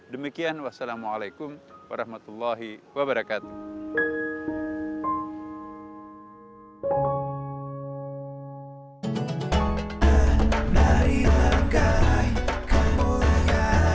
demikian wassalamualaikum warahmatullahi wabarakatuh